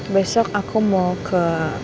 besok aku mau ke